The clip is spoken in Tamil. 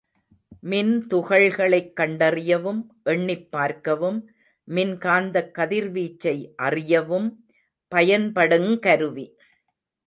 மின்துகள்களைக் கண்டறியவும் எண்ணிப் பார்க்கவும் மின்காந்தக் கதிர்வீச்சை அறியவும் பயன்படுங் கருவி.